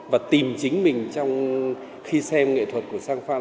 và tìm chính mình trong khi xem nghệ thuật của sang farm